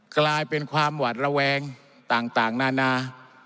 กลายเป็นความหวาดระแวงต่างนานา